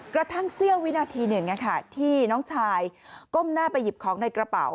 กระทั่งเสี้ยววินาทีหนึ่งที่น้องชายก้มหน้าไปหยิบของในกระเป๋า